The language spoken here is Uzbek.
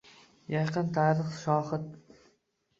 Yaqin tarix shohid.